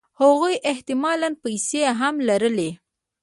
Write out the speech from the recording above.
هغوی احتمالاً پیسې هم لرلې